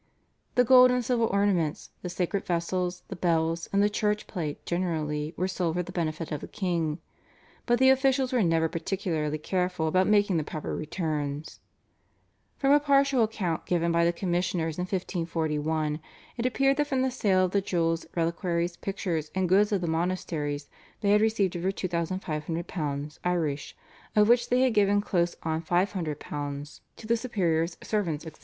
The gold and silver ornaments, the sacred vessels, the bells, and the church plate generally were sold for the benefit of the king, but the officials were never particularly careful about making the proper returns. From a partial account given by the commissioners in 1541 it appeared that from the sales of the jewels, reliquaries, pictures, and goods of the monasteries they had received over £2,500 (Irish) of which they had given close on £500 to the superiors, servants, etc.